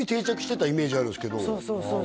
もうそうそう